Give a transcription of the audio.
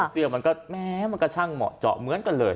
เสื้อมันก็แม้มันก็ช่างเหมาะเจาะเหมือนกันเลย